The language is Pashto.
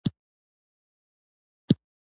اطلاع ورکړه.